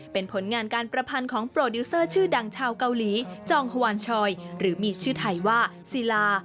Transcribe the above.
เป็นผลงานการประพันธ์ของโปรดิวเซอร์ชื่อดังชาวเกาหลีจองฮวานชอยหรือมีชื่อไทยว่าศิลา